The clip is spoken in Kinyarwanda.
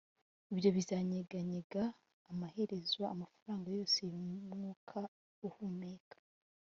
ibyo bizanyeganyega amaherezo amafaranga yose yumwuka uhumeka